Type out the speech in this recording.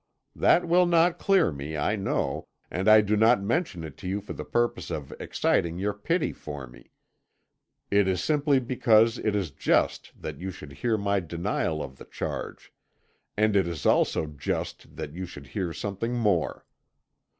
That will not clear me, I know, and I do not mention it to you for the purpose of exciting your pity for me. It is simply because it is just that you should hear my denial of the charge; and it is also just that you should hear something more.